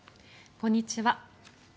こんにちは。